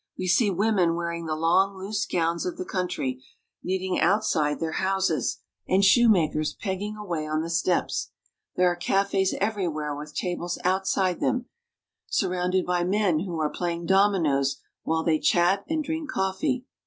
We see women wearing the long, loose gowns of the country, knitting outside their houses, and shoemakers pegging away on the steps. There are cafes everywhere with tables out side them, surrounded by men who are playing dominoes while they chat and drink coffee.